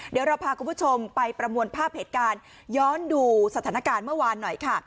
เดี๋ยวเราพาคุณผู้ชมไปประมวลภาพเหตุการณ์ย้อนดูสถานการณ์เมื่อวานหน่อยค่ะ